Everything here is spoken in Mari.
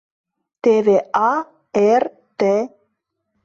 Теве а, р, т.